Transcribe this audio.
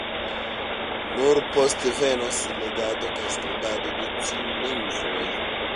Nur poste venos legado kaj skribado de tiuj lingvoj.